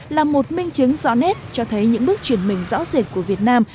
là một minh chứng rõ nét cho thấy những bước chuyển mình rõ rệt của việt nam